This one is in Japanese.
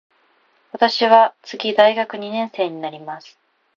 私は次大学二年生になります。